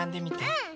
うん！